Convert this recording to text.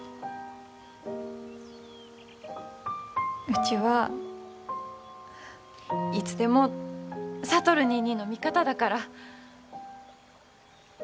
うちはいつでも智ニーニーの味方だから。